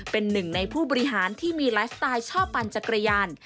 เป็นหนึ่งในผู้บริหารที่มีไลฟ์สไตล์ชอบปั่นจักรยาน